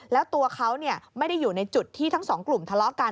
แล้วตัวเขาไม่ได้อยู่ในจุดที่ทั้งสองกลุ่มทะเลาะกัน